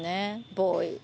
ボーイ。